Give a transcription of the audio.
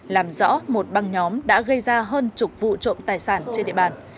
làm rõ một băng nhóm đã gây ra hơn chục vụ trộm tài sản trên địa bàn